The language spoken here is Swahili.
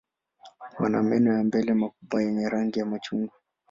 Wana meno ya mbele makubwa yenye rangi ya machungwa.